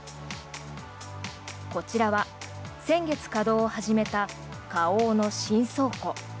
こちらは、先月稼働を始めた花王の新倉庫。